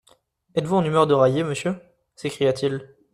Êtes-vous en humeur de railler, monsieur ? s'écria-t-il.